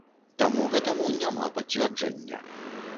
Таму гэтаму няма пацвярджэння.